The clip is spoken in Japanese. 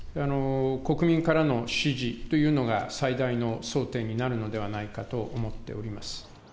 国民からの支持というのが最大の争点になるのではないかと思っております。